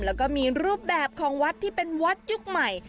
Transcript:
แล้วก็มีรูปแบบของวัดที่เป็นวัดยุคใหม่